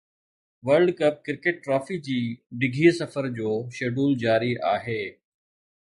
world cup cricket trophy جي ڊگهي سفر جو شيڊول جاري آهي